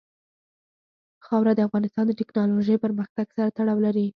خاوره د افغانستان د تکنالوژۍ پرمختګ سره تړاو لري.